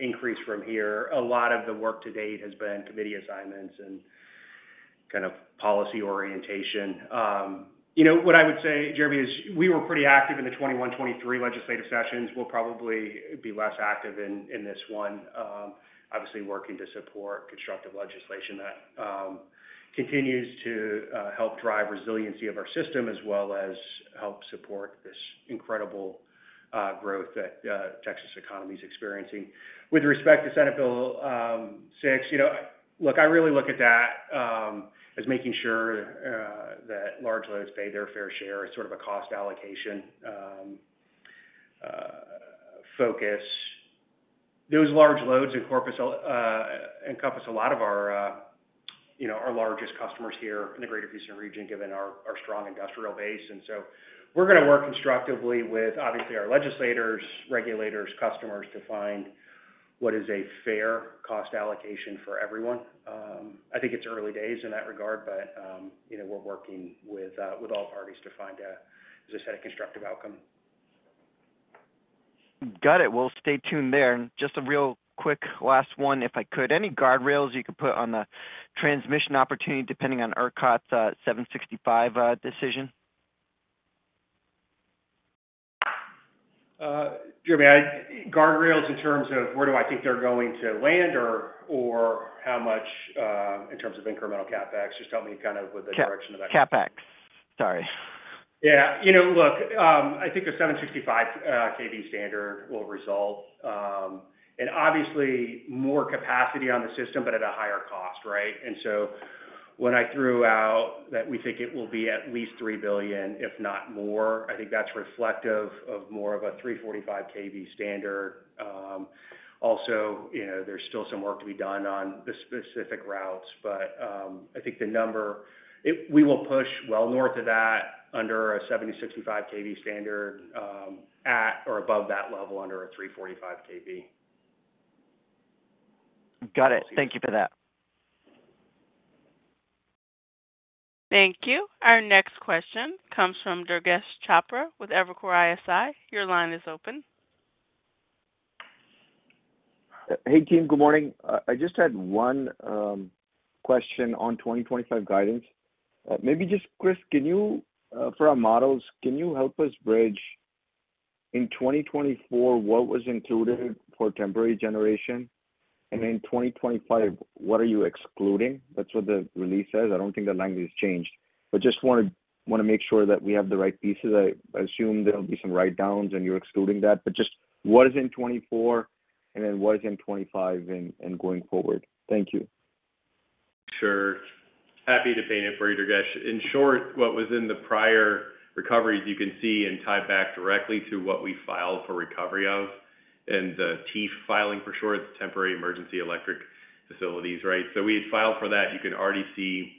increase from here. A lot of the work to date has been committee assignments and kind of policy orientation. What I would say, Jeremy, is we were pretty active in the 2021, 2023 legislative sessions. We'll probably be less active in this one, obviously working to support constructive legislation that continues to help drive resiliency of our system as well as help support this incredible growth that Texas economy is experiencing. With respect to Senate Bill 6, look, I really look at that as making sure that large loads pay their fair share as sort of a cost allocation focus. Those large loads encompass a lot of our largest customers here in the Greater Houston region, given our strong industrial base. And so we're going to work constructively with, obviously, our legislators, regulators, customers to find what is a fair cost allocation for everyone. I think it's early days in that regard, but we're working with all parties to find, as I said, a constructive outcome. Got it. We'll stay tuned there. And just a real quick last one, if I could. Any guardrails you could put on the transmission opportunity depending on ERCOT's 765 decision? Jeremy, guardrails in terms of where do I think they're going to land or how much in terms of incremental CapEx? Just help me kind of with the direction of that. CapEx. Sorry. Yeah. Look, I think the 765 kV standard will result in, obviously, more capacity on the system, but at a higher cost, right? And so when I threw out that we think it will be at least $3 billion, if not more, I think that's reflective of more of a 345 kV standard. Also, there's still some work to be done on the specific routes, but I think the number we will push well north of that under a 765 kV standard at or above that level under a 345 kV. Got it. Thank you for that. Thank you. Our next question comes from Durgesh Chopra with Evercore ISI. Your line is open. Hey, team. Good morning. I just had one question on 2025 guidance. Maybe just, Chris, for our models, can you help us bridge in 2024 what was included for temporary generation and in 2025 what are you excluding? That's what the release says. I don't think the language has changed, but just want to make sure that we have the right pieces. I assume there'll be some write-downs and you're excluding that, but just what is in 2024 and then what is in 2025 and going forward? Thank you. Sure. Happy to paint it for you, Durgesh. In short, what was in the prior recoveries you can see and tie back directly to what we filed for recovery of and the TEEF filing for short. It's temporary emergency electric facilities, right? So we had filed for that. You can already see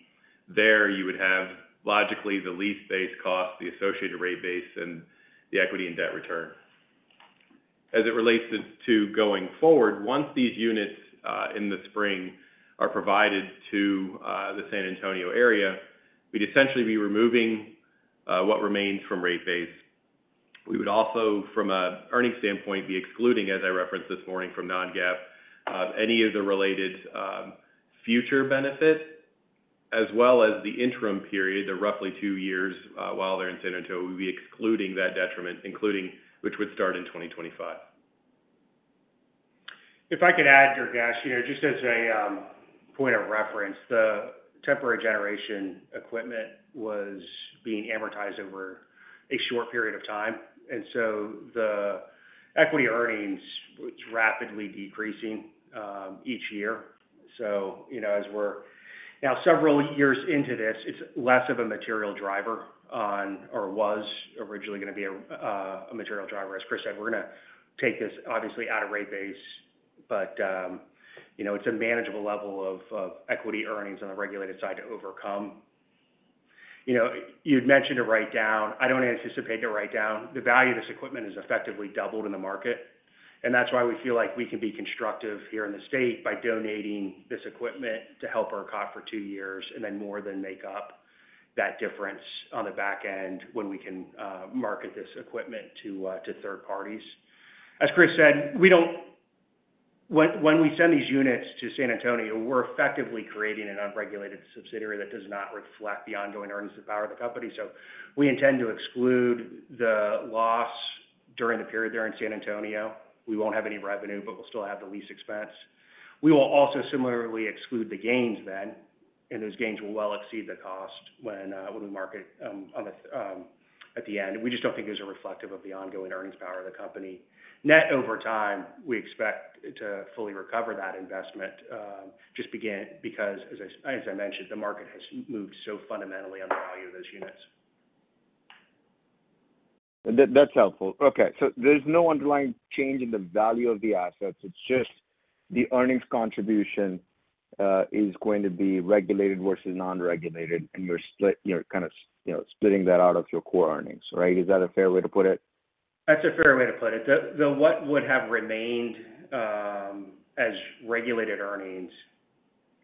there you would have logically the lease-based cost, the associated rate base, and the equity and debt return. As it relates to going forward, once these units in the spring are provided to the San Antonio area, we'd essentially be removing what remains from rate base. We would also, from an earnings standpoint, be excluding, as I referenced this morning from non-GAAP, any of the related future benefit, as well as the interim period, the roughly two years while they're in San Antonio. We'd be excluding that detriment, which would start in 2025. If I could add, Durgesh, just as a point of reference, the temporary generation equipment was being amortized over a short period of time, and so the equity earnings was rapidly decreasing each year, so as we're now several years into this, it's less of a material driver now or was originally going to be a material driver. As Chris said, we're going to take this obviously out of rate base, but it's a manageable level of equity earnings on the regulated side to overcome. You had mentioned a write-down. I don't anticipate a write-down. The value of this equipment has effectively doubled in the market, and that's why we feel like we can be constructive here in the state by donating this equipment to help ERCOT for two years and then more than make up that difference on the back end when we can market this equipment to third parties. As Chris said, when we send these units to San Antonio, we're effectively creating an unregulated subsidiary that does not reflect the ongoing earnings to power the company, so we intend to exclude the loss during the period there in San Antonio. We won't have any revenue, but we'll still have the lease expense. We will also similarly exclude the gains then, and those gains will well exceed the cost when we market at the end. We just don't think those are reflective of the ongoing earnings power of the company. Net over time, we expect to fully recover that investment just because, as I mentioned, the market has moved so fundamentally on the value of those units. That's helpful. Okay. So there's no underlying change in the value of the assets. It's just the earnings contribution is going to be regulated versus non-regulated, and you're kind of splitting that out of your core earnings, right? Is that a fair way to put it? That's a fair way to put it. That what would have remained as regulated earnings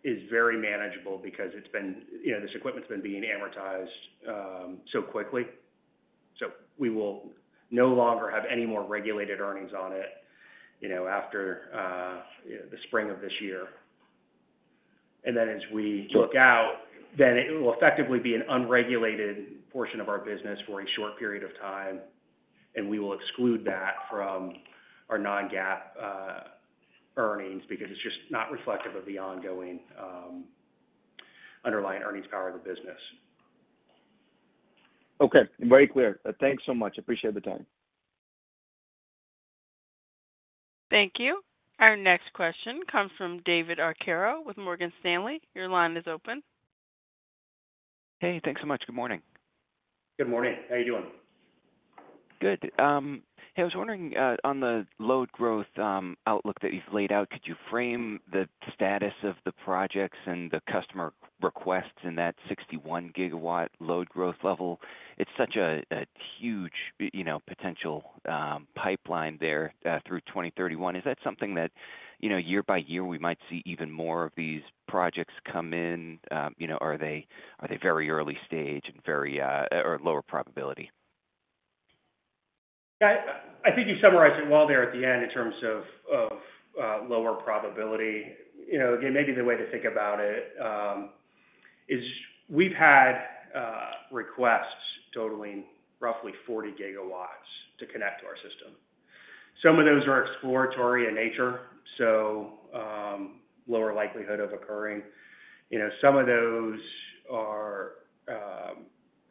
is very manageable because this equipment's been being amortized so quickly. So we will no longer have any more regulated earnings on it after the spring of this year. And then as we look out, then it will effectively be an unregulated portion of our business for a short period of time, and we will exclude that from our non-GAAP earnings because it's just not reflective of the ongoing underlying earnings power of the business. Okay. Very clear. Thanks so much. Appreciate the time. Thank you. Our next question comes from David Arcaro with Morgan Stanley. Your line is open. Hey, thanks so much. Good morning. Good morning. How are you doing? Good. Hey, I was wondering on the load growth outlook that you've laid out, could you frame the status of the projects and the customer requests in that 61-gigawatt load growth level? It's such a huge potential pipeline there through 2031. Is that something that year by year we might see even more of these projects come in, or are they very early stage and very lower probability? I think you summarized it well there at the end in terms of lower probability. Again, maybe the way to think about it is we've had requests totaling roughly 40 gigawatts to connect to our system. Some of those are exploratory in nature, so lower likelihood of occurring. Some of those are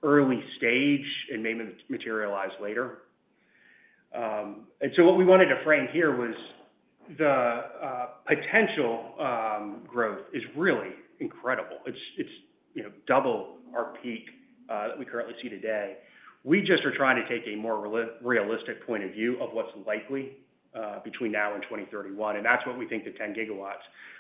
early stage and may materialize later. And so what we wanted to frame here was the potential growth is really incredible. It's double our peak that we currently see today. We just are trying to take a more realistic point of view of what's likely between now and 2031. And that's what we think the 10 gigawatts.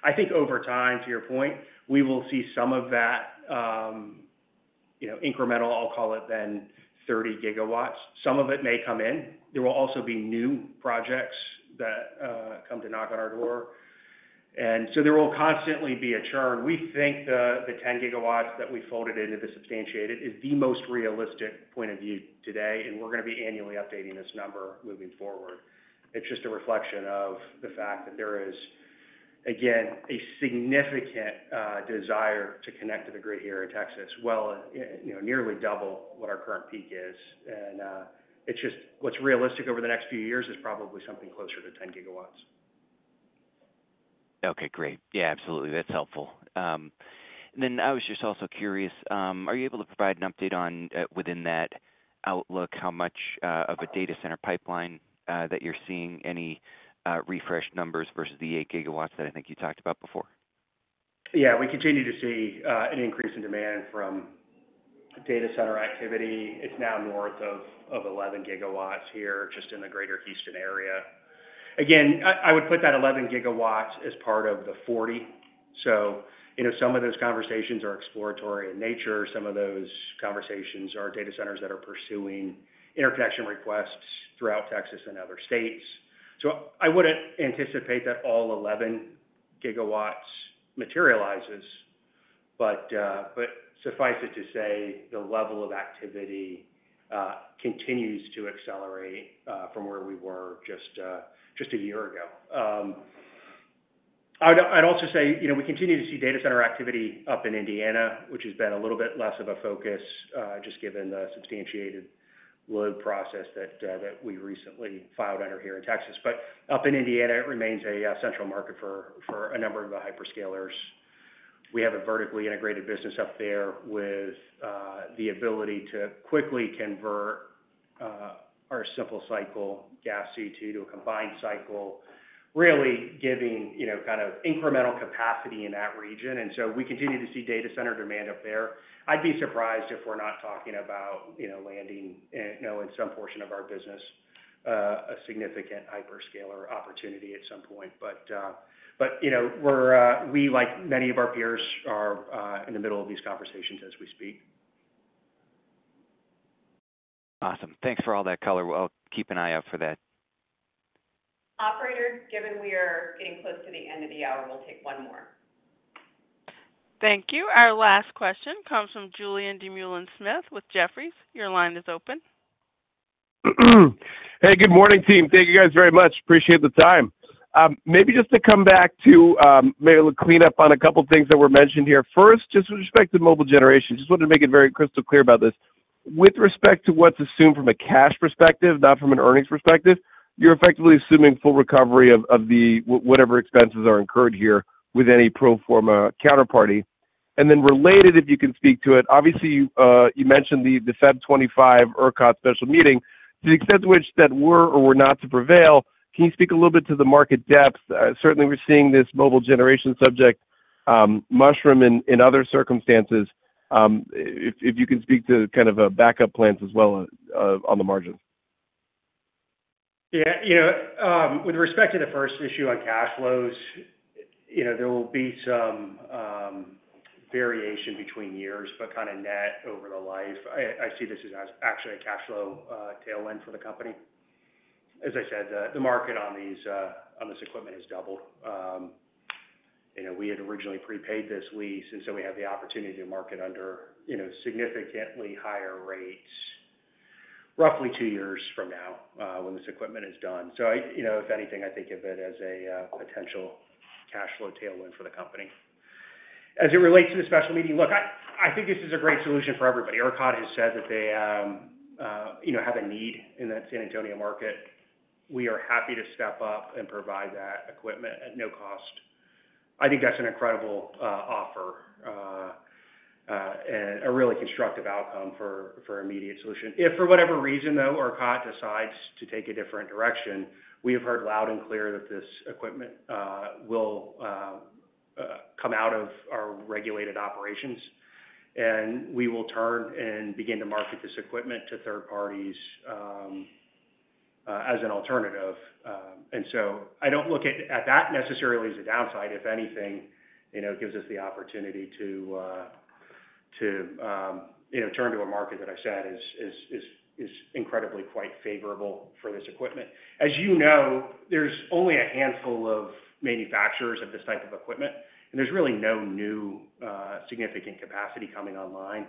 I think over time, to your point, we will see some of that incremental. I'll call it then 30 gigawatts. Some of it may come in. There will also be new projects that come to knock on our door. And so there will constantly be a churn. We think the 10 gigawatts that we folded into the substantiated is the most realistic point of view today, and we're going to be annually updating this number moving forward. It's just a reflection of the fact that there is, again, a significant desire to connect to the grid here in Texas, well nearly double what our current peak is. And what's realistic over the next few years is probably something closer to 10 gigawatts. Okay. Great. Yeah, absolutely. That's helpful. And then I was just also curious, are you able to provide an update on within that outlook how much of a data center pipeline that you're seeing, any refreshed numbers versus the eight gigawatts that I think you talked about before? Yeah. We continue to see an increase in demand from data center activity. It's now north of 11 gigawatts here just in the Greater Houston area. Again, I would put that 11 gigawatts as part of the 40. So some of those conversations are exploratory in nature. Some of those conversations are data centers that are pursuing interconnection requests throughout Texas and other states. So I wouldn't anticipate that all 11 gigawatts materializes, but suffice it to say the level of activity continues to accelerate from where we were just a year ago. I'd also say we continue to see data center activity up in Indiana, which has been a little bit less of a focus just given the substantiated load process that we recently filed under here in Texas. But up in Indiana, it remains a central market for a number of the hyperscalers. We have a vertically integrated business up there with the ability to quickly convert our simple cycle gas CTs to a combined cycle, really giving kind of incremental capacity in that region. And so we continue to see data center demand up there. I'd be surprised if we're not talking about landing in some portion of our business a significant hyperscaler opportunity at some point. But we, like many of our peers, are in the middle of these conversations as we speak. Awesome. Thanks for all that color. We'll keep an eye out for that. Operator, given we are getting close to the end of the hour, we'll take one more. Thank you. Our last question comes from Julien Dumoulin-Smith with Jefferies. Your line is open. Hey, good morning, team. Thank you guys very much. Appreciate the time. Maybe just to come back to maybe clean up on a couple of things that were mentioned here. First, just with respect to mobile generation, just wanted to make it very crystal clear about this. With respect to what's assumed from a cash perspective, not from an earnings perspective, you're effectively assuming full recovery of whatever expenses are incurred here with any pro forma counterparty. And then related, if you can speak to it, obviously you mentioned the February 2025 ERCOT special meeting. To the extent to which that were or were not to prevail, can you speak a little bit to the market depth? Certainly, we're seeing this mobile generation subject mushrooming in other circumstances. If you can speak to kind of backup plans as well on the margins. Yeah. With respect to the first issue on cash flows, there will be some variation between years, but kind of net over the life. I see this as actually a cash flow tailwind for the company. As I said, the market on this equipment has doubled. We had originally prepaid this lease, and so we have the opportunity to market under significantly higher rates, roughly two years from now when this equipment is done. So if anything, I think of it as a potential cash flow tailwind for the company. As it relates to the special meeting, look, I think this is a great solution for everybody. ERCOT has said that they have a need in that San Antonio market. We are happy to step up and provide that equipment at no cost. I think that's an incredible offer and a really constructive outcome for immediate solution. If for whatever reason, though, ERCOT decides to take a different direction, we have heard loud and clear that this equipment will come out of our regulated operations, and we will turn and begin to market this equipment to third parties as an alternative. And so I don't look at that necessarily as a downside. If anything, it gives us the opportunity to turn to a market that I said is incredibly quite favorable for this equipment. As you know, there's only a handful of manufacturers of this type of equipment, and there's really no new significant capacity coming online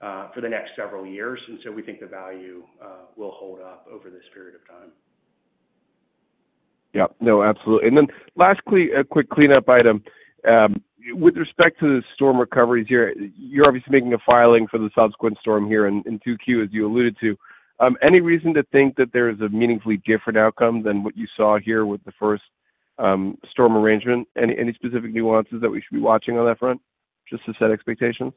for the next several years. And so we think the value will hold up over this period of time. Yeah. No, absolutely. Then lastly, a quick cleanup item. With respect to the storm recoveries here, you're obviously making a filing for the subsequent storm here in 2Q, as you alluded to. Any reason to think that there is a meaningfully different outcome than what you saw here with the first storm arrangement? Any specific nuances that we should be watching on that front, just to set expectations?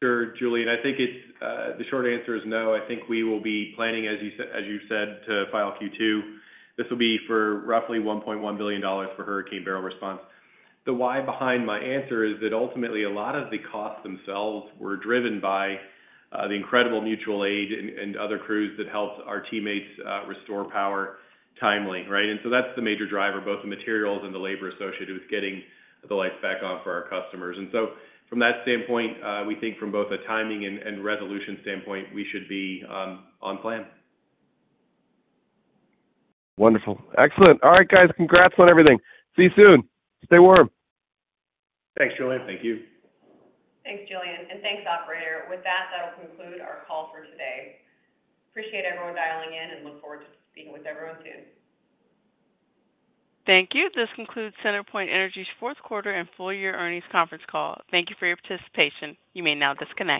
Sure, Julien. I think the short answer is no. I think we will be planning, as you said, to file Q2. This will be for roughly $1.1 billion for Hurricane Beryl response. The why behind my answer is that ultimately, a lot of the costs themselves were driven by the incredible mutual aid and other crews that helped our teammates restore power timely, right? And so that's the major driver, both the materials and the labor associated with getting the lights back on for our customers. And so from that standpoint, we think from both a timing and resolution standpoint, we should be on plan. Wonderful. Excellent. All right, guys. Congrats on everything. See you soon. Stay warm. Thanks, Julien. Thank you. Thanks, Julien. And thanks, Operator. With that, that'll conclude our call for today. Appreciate everyone dialing in and look forward to speaking with everyone soon. Thank you. This concludes CenterPoint Energy's fourth quarter and full year earnings conference call. Thank you for your participation. You may now disconnect.